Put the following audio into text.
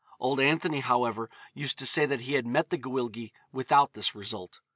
Old Anthony, however, used to say that he had met the Gwyllgi without this result.